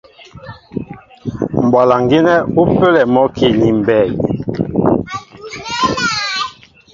Mbwalaŋ gínɛ́ ú pə́lɛ a mɔ́ki ni mbey.